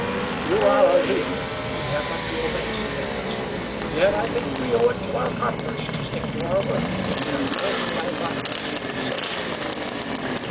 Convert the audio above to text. "You are our leader; we have but to obey," said Edwards. "Yet I think we owe it to our converts to stick to our work until we are forced by violence to desist."